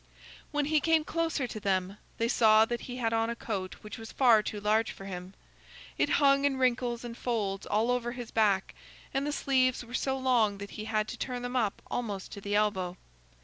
When he came closer to them, they saw that he had on a coat which was far too large for him. It hung in wrinkles and folds all over his back, and the sleeves were so long that he had to turn them up almost to the elbow.